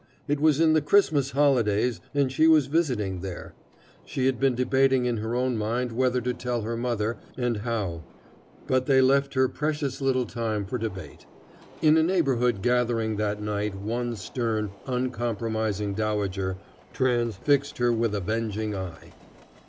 It was in the Christmas holidays, and she was visiting there. She had been debating in her own mind whether to tell her mother, and how; but they left her precious little time for debate. In a neighborhood gathering that night one stern, uncompromising dowager transfixed her with avenging eye.